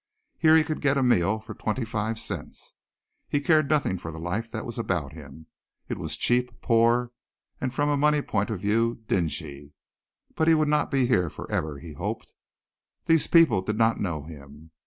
Here he could get a meal for twenty five cents. He cared nothing for the life that was about him. It was cheap, poor, from a money point of view, dingy, but he would not be here forever he hoped. These people did not know him.